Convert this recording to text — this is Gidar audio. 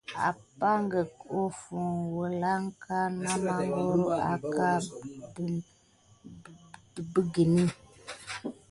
Apànha hofŋu wulanga na mangoro aka de békiguni.